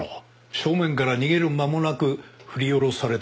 正面から逃げる間もなく振り下ろされたものとみていい。